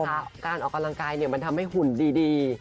ง่ายกว่านะคะการออกกำลังกายเนี่ยมันทำให้หุ่นดี